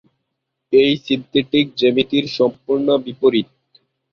এই সিন্থেটিক জ্যামিতির সম্পূর্ণ বিপরীত।